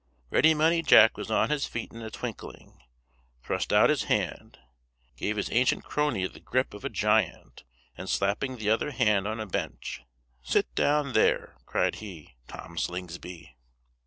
Ready Money Jack was on his feet in a twinkling; thrust out his hand, gave his ancient crony the gripe of a giant, and slapping the other hand on a bench, "Sit down there," cried he, "Tom Slingsby!"